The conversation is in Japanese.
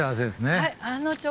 はい。